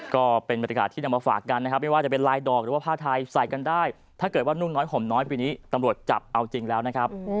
ก็เป็นบรรยากาศที่นำมาฝากกันนะครับไม่ว่าจะเป็นลายดอกหรือว่าผ้าไทยใส่กันได้ถ้าเกิดว่านุ่งน้อยห่มน้อยปีนี้ตำรวจจับเอาจริงแล้วนะครับ